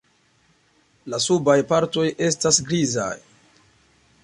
La subaj partoj estas grizaj.